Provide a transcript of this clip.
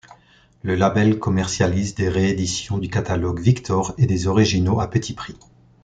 Le label commercialise des rééditions du catalogue Victor et des originaux à petit prix.